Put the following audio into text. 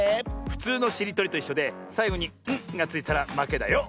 ふつうのしりとりといっしょでさいごに「ん」がついたらまけだよ。